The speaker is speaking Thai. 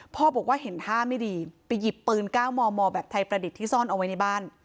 พ่อบอกว่าเห็นท่าไม่ดีไปหยิบปืน๙มมแบบไทยประดิษฐ์ที่ซ่อนเอาไว้ในบ้าน